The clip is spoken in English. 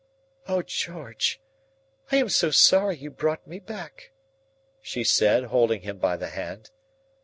"Oh, George, I am so sorry you brought me back," she said, holding him by the hand.